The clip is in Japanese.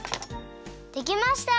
できました！